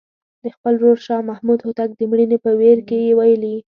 د خپل ورور شاه محمود هوتک د مړینې په ویر کې یې ویلي.